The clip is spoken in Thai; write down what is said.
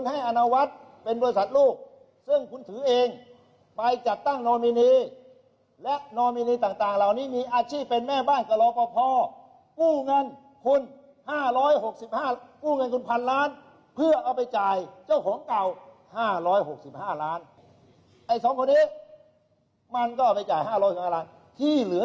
ไอ้สองคนนี้มันก็ไปจ่าย๕๐๐ล้านบาทที่เหลือ๔๓๕ล้านบาท